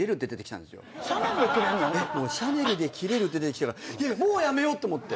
「シャネルでキレる」って出てきたからもうやめようって思って。